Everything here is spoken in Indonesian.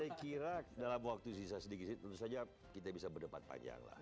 saya kira dalam waktu sisa sedikit tentu saja kita bisa berdebat panjang lah